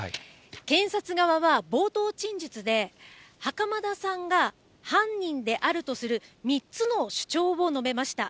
検察側は冒頭陳述で、袴田さんが犯人であるとする３つの主張を述べました。